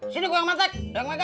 sini gue yang mantek